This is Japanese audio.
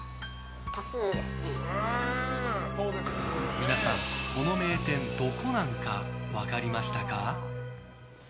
皆さん、この名店ドコナンか分かりましたか？